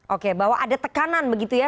oke bahwa ada tekanan begitu ya